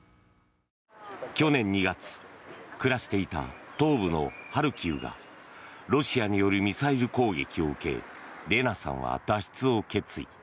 去年２月暮らしていた東部のハルキウがロシアによるミサイル攻撃を受けレナさんは脱出を決意。